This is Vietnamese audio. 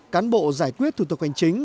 cán bộ giải quyết thủ tục hành chính